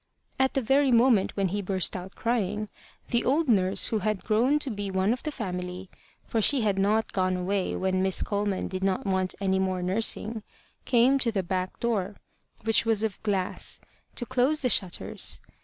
At the very moment when he burst out crying, the old nurse who had grown to be one of the family, for she had not gone away when Miss Coleman did not want any more nursing, came to the back door, which was of glass, to close the shutters.